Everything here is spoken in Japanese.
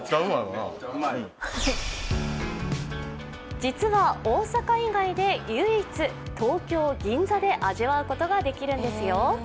実は大阪以外で唯一東京・銀座で味わうことができるんですよ。